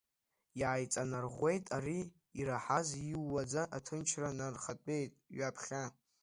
Иааиҵанарӷәӷәеит ари ираҳаз, иууаӡа, аҭынчра нархатәеит ҩаԥхьа.